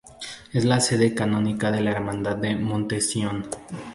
Es la sede canónica de la Hermandad de Monte-Sion.